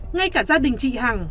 ngay cả gia đình chị hằng